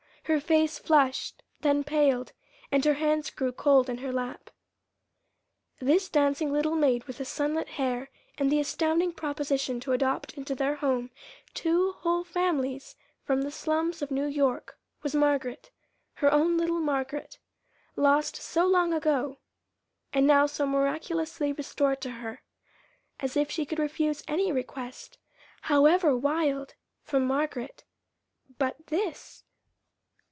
Her face flushed, then paled, and her hands grew cold in her lap. This dancing little maid with the sunlit hair and the astounding proposition to adopt into their home two whole families from the slums of New York, was Margaret, her own little Margaret, lost so long ago, and now so miraculously restored to her. As if she could refuse any request, however wild, from Margaret! But this